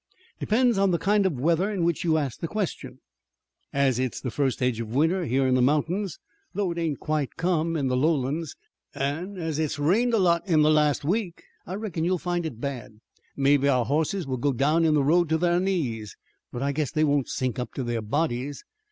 "Depends on the kind of weather in which you ask the question. As it's the fust edge of winter here in the mountains, though it ain't quite come in the lowlands, an' as it's rained a lot in the last week, I reckon you'll find it bad. Mebbe our hosses will go down in the road to thar knees, but I guess they won't sink up to thar bodies.